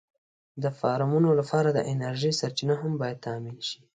د فارمونو لپاره د انرژۍ سرچینه هم باید تأمېن شي.